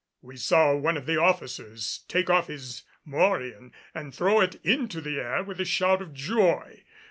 We saw one of the officers take off his morion and throw it into the air with a shout of joy.